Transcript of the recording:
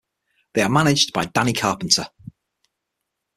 They are managed by Danny Carpenter.